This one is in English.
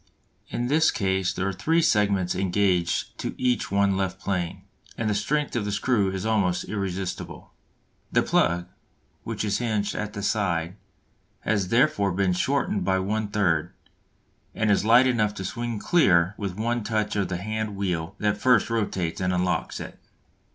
In this case there are three segments engaged to each one left plane, and the strength of the screw is almost irresistible. The plug, which is hinged at the side, has therefore been shortened by one third, and is light enough to swing clear with one touch of the handwheel that first rotates and unlocks it.